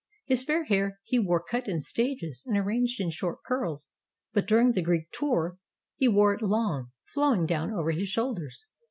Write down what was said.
His fair hair he wore cut in stages and arranged in short curls, but during the Greek " tour" he wore it long, flowing down over his shoulders.